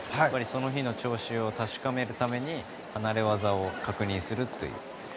その日の調子を確かめるために離れ技を確認するという。